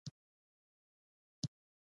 دوی پر کړنو اثر وکړي.